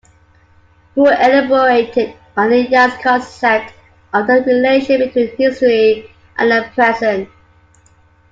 Wu elaborated on the Yan's concept of the relation between history and the present.